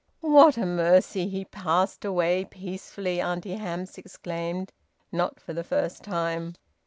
"What a mercy he passed away peacefully!" Auntie Hamps exclaimed, not for the first time.